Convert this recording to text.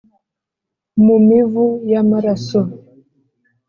Mu mivu y’amaraso